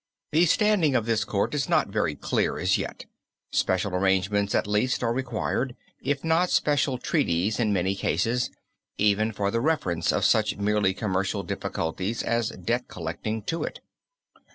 The standing of this court is not very clear as yet. Special arrangements at least are required, if not special treaties in many cases, even for the reference of such merely commercial difficulties as debt collecting to it.